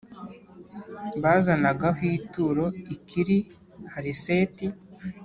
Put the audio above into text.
bazanaga ho ituro i Kiri‐Hareseti.